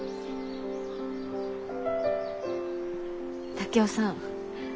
竹雄さん